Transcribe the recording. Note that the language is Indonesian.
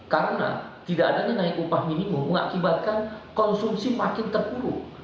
karena tidak ada kenaikan upah minimum mengakibatkan konsumsi makin terpuruk